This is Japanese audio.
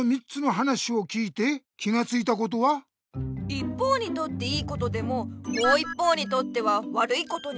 一方にとって良いことでももう一方にとっては悪いことになる。